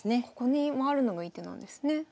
ここに回るのがいい手なんですね。